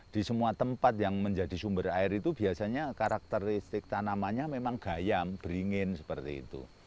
di semua tempat yang menjadi sumber air itu biasanya karakteristik tanamannya memang gayam beringin seperti itu